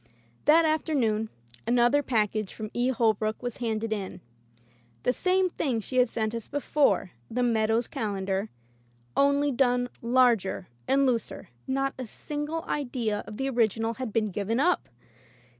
That afternoon another package from E. Holbrook was handed in. The same thing she had sent us before, "The Meadow's Calendar,'* only done larger and looser. Not a. single idea of the original had been given up!